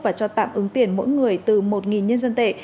và cho tạm ứng tiền mỗi người từ một nhân dân tệ